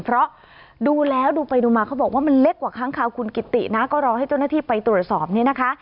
เพราะดูแล้วดูไปดูมาเขาบอกว่ามันเล็กกว่าค้างคาวคุณกิตินะก็รอให้เจ้าหน้าที่ไปตรวจสอบเนี่ยนะคะ